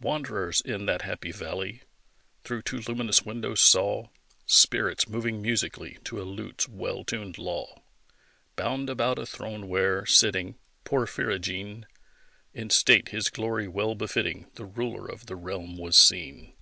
Wanderers in that happy valley, Through two luminous windows, saw Spirits moving musically, To a lute's well tunëd law, Bound about a throne where, sitting (Porphyrogene!) In state his glory well befitting, The ruler of the realm was seen.